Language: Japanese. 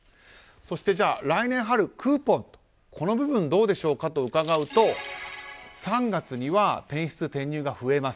来年春のクーポンはどうでしょうと伺うと、３月には転出・転入が増えます。